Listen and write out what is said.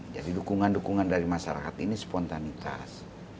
jadi dukungan dukungan dari masyarakat ini spontanitas